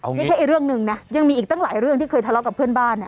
นี่แค่เรื่องหนึ่งนะยังมีอีกตั้งหลายเรื่องที่เคยทะเลาะกับเพื่อนบ้าน